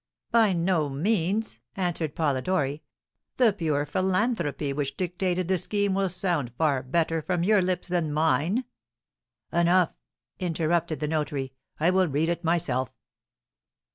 "By no means!" answered Polidori. "The pure philanthropy which dictated the scheme will sound far better from your lips than mine." "Enough!" interrupted the notary; "I will read it myself."